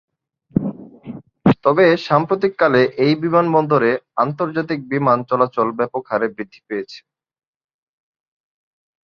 তবে সাম্প্রতিককালে এই বিমানবন্দরে আন্তর্জাতিক বিমান চলাচল ব্যাপকহারে বৃদ্ধি পেয়েছে।